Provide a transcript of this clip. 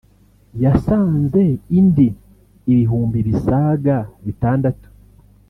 yasanze indi ibihumbi bisaga bitandatu